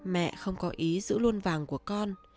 mẹ không có ý giữ luôn vàng của con